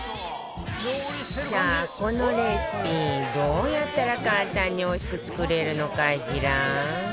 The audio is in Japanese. さあこのレシピどうやったら簡単においしく作れるのかしら？